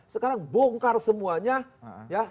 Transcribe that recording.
sekarang bongkar semuanya ya